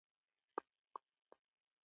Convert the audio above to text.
ښوونځی د پوهې ځای دی